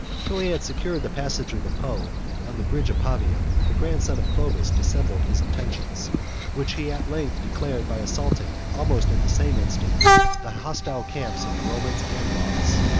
Till he had secured the passage of the Po on the bridge of Pavia, the grandson of Clovis dissembled his intentions, which he at length declared, by assaulting, almost at the same instant, the hostile camps of the Romans and Goths.